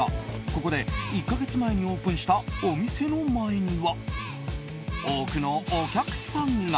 ここで１か月前にオープンしたお店の前には多くのお客さんが。